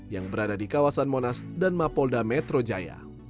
yang berada di kawasan monas dan mapolda metro jaya